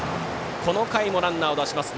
この回もランナーを出します。